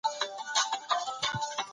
هغه کتاب چې اوبو وهلی و بیا ورغول سو.